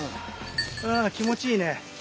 あ気持ちいいね。